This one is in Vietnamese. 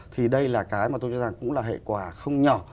thì đây là cái mà tôi cho rằng cũng là hệ quả không nhỏ